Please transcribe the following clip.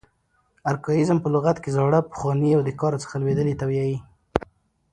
ارکاییزم په لغت کښي زاړه، پخواني او د کاره څخه لوېدلي ته وایي.